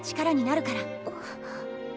あっ。